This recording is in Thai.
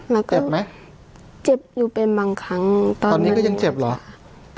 เราเจ็บไหมเจ็บอยู่เป็นบางครั้งตอนนี้ก็ยังเจ็บเหรอ